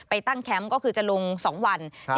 ตั้งแคมป์ก็คือจะลง๒วัน